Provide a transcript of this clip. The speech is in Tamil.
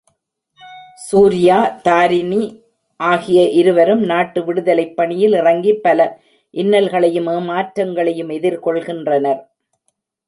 சூர்யா தாரிணி ஆகிய இருவரும் நாட்டு விடுதலைப் பணியில் இறங்கிப் பல இன்னல்களையும் ஏமாற்றங்களையும் எதிர்கொள்கின்றனர்.